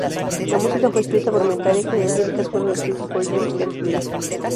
La música fue escrita por Metallica, y las líricas fueron escritas por James Hetfield.